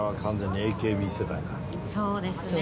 そうですね。